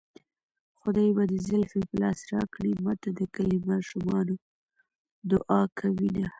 خدای به دې زلفې په لاس راکړي ماته د کلي ماشومان دوعا کوينه